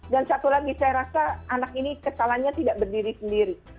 dan satu lagi saya rasa anak ini kesalahannya tidak berdiri sendiri